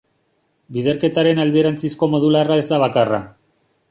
Biderketaren alderantzizko modularra ez da bakarra.